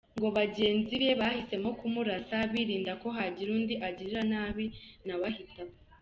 Ngo bagenzi be bahisemo kumurasa birinda ko hagira undi agirira nabi nawe ahita apfa.